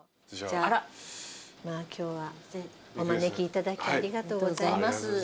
じゃあ今日はお招きいただいてありがとうございます。